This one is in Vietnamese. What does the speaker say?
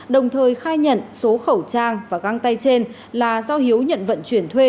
đồng thời khai nhận số khẩu trang và găng tay trên là do hiếu nhận vận chuyển thuê